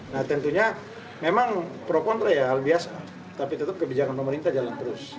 nah tentunya memang pro kontra ya hal biasa tapi tetap kebijakan pemerintah jalan terus